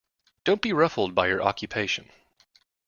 Don't be ruffled by your occupation.